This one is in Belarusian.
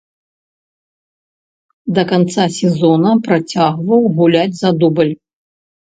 Да канца сезона працягваў гуляць за дубль.